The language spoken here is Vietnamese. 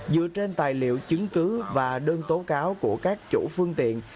dựa trên tài liệu chứng cứ và đơn tố cáo của các chủ phương tiện